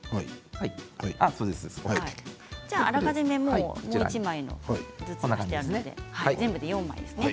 あらかじめもう１枚ずつやってあるので全部で４枚ですね。